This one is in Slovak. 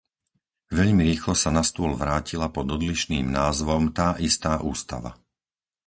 Veľmi rýchlo sa na stôl vrátila pod odlišným názvom tá istá Ústava.